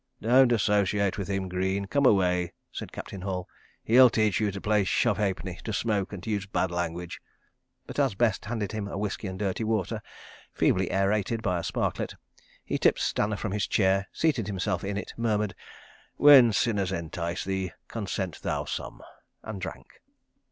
"Don't associate with him, Greene. Come away," said Captain Hall. "He'll teach you to play shove ha'penny, to smoke, and to use bad language," but as Best handed him a whisky and dirty water, feebly aerated by a sparklet, he tipped Stanner from his chair, seated himself in it, murmured, "When sinners entice thee, consent thou some," and drank.